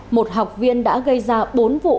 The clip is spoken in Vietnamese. một học viên đã gây ra bốn vụ